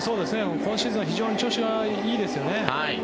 今シーズンは非常に調子がいいですよね。